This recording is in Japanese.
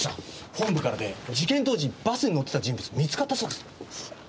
本部からで事件当時バスに乗ってた人物が見つかったそうです。